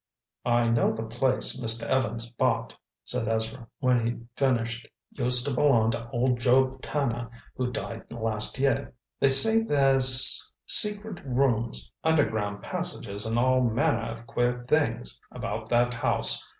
"I know the place Mr. Evans bought," said Ezra when he'd finished. "Used to belong to old Job Turner who died last year. They say there's secret rooms, underground passages and all manner of queer things about that house.